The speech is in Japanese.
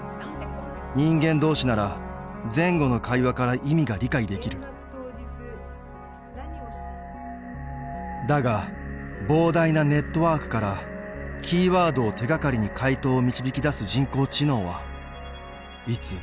人間同士なら前後の会話から意味が理解できるだが膨大なネットワークからキーワードを手がかりに回答を導き出す人工知能は「いつ」